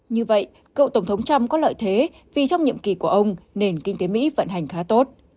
như vậy cựu tổng thống trump có lợi thế vì trong nhiệm kỳ của ông nền kinh tế mỹ vận hành khá tốt